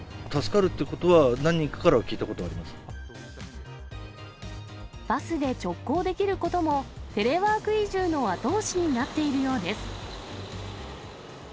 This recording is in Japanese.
助かるっていうことは、バスで直行できることも、テレワーク移住の後押しになっているようです。